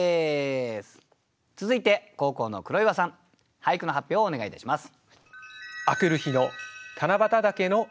続いて後攻の黒岩さん俳句の発表をお願いいたします。